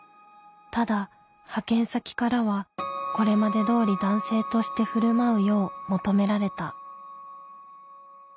ただ派遣先からはこれまでどおり男性として振る舞うよう求められた。